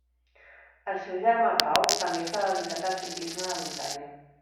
El seu germà Pau també s'ha dedicat al ciclisme de muntanya.